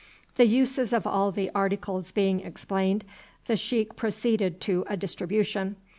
The uses of all the articles being explained, the sheik proceeded to a distribution.